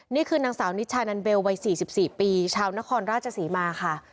นี่คือนางสาวนิชานันเบลวัย๔๔ปีชาวนครราชศรีมาค่ะ